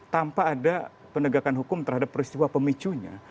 tanpa ada penegakan hukum terhadap peristiwa pemicunya